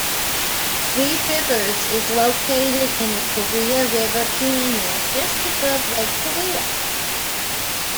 Three Rivers is located in the Kaweah River canyon, just above Lake Kaweah.